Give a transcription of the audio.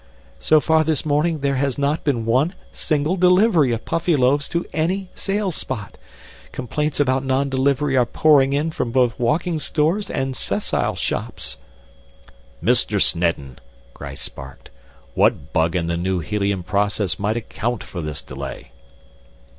So far this morning, there has not been one single delivery of Puffyloaves to any sales spot! Complaints about non delivery are pouring in from both walking stores and sessile shops." "Mr. Snedden!" Gryce barked. "What bug in the new helium process might account for this delay?"